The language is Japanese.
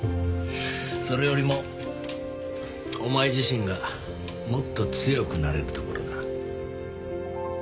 それよりもお前自身がもっと強くなれる所だ